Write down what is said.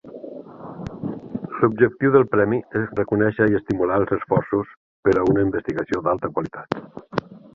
L’objectiu del Premi és reconèixer i estimular els esforços per a una investigació d'alta qualitat.